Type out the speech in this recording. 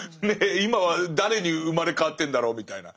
今は誰に生まれ変わってるんだろうみたいな。